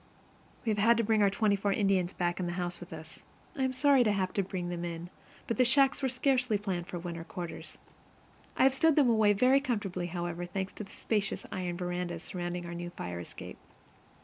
We have our twenty four Indians back in the house with us. I was sorry to have to bring them in, but the shacks were scarcely planned for winter quarters. I have stowed them away very comfortably, however, thanks to the spacious iron verandas surrounding our new fire escape.